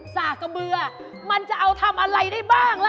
สากกระเบือมันจะเอาทำอะไรได้บ้างล่ะ